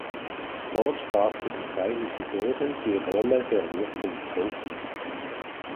Dort sprach sie in zwei Episoden die Rolle der Wirtin Sophie.